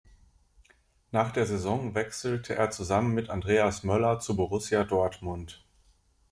Nach der Saison wechselte er zusammen mit Andreas Möller zu Borussia Dortmund.